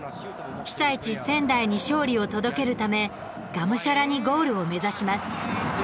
被災地、仙台に勝利を届けるためがむしゃらにゴールを目指します。